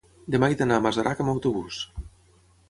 demà he d'anar a Masarac amb autobús.